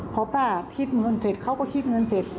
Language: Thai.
พอป้าคิดเงินเสร็จเขาก็คิดเงินเสร็จ